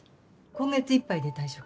今月いっぱいで退職。